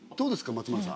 松丸さん。